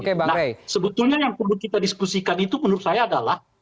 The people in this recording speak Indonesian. nah sebetulnya yang perlu kita diskusikan itu menurut saya adalah